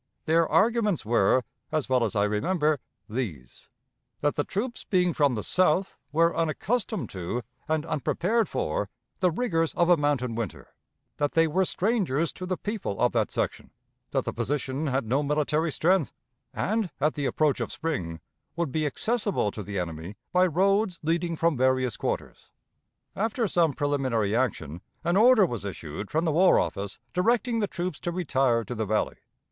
Their arguments were, as well as I remember, these: that the troops, being from the South, were unaccustomed to, and unprepared for, the rigors of a mountain winter; that they were strangers to the people of that section; that the position had no military strength, and, at the approach of spring, would be accessible to the enemy by roads leading from various quarters. After some preliminary action, an order was issued from the War Office directing the troops to retire to the Valley.